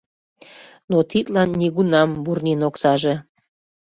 Но тидлан нигунам Бурнин оксаже.